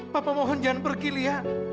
bapak mohon jangan pergi lia